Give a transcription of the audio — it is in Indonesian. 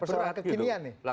persoalan kekinian nih